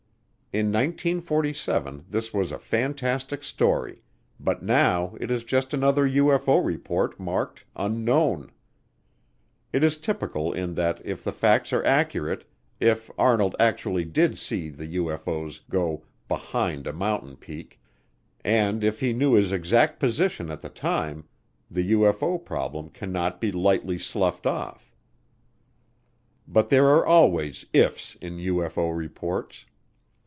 In 1947 this was a fantastic story, but now it is just another UFO report marked "Unknown." It is typical in that if the facts are accurate, if Arnold actually did see the UFO's go behind a mountain peak, and if he knew his exact position at the time, the UFO problem cannot be lightly sloughed off; but there are always "ifs" in UFO reports.